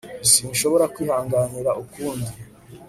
sinshobora kwihanganira ukundi